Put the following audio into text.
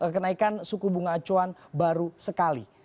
kenaikan suku bunga acuan baru sekali